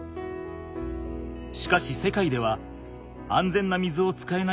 しかし世界では安全な水を使えない人が多くいる。